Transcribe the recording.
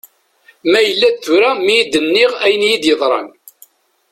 Ma yella d tura mi d-nniɣ ayen iyi-yeḍran.